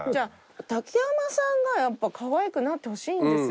竹山さんがやっぱかわいくなってほしいんですよ。